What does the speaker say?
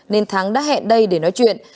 nên thắng đã hẹn đây để nói chuyện